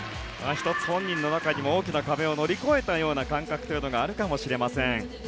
本人の中にも大きな壁を乗り越えた感覚があるかもしれません。